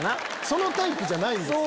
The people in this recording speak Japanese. そのタイプじゃないんですよ！